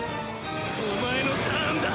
お前のターンだ！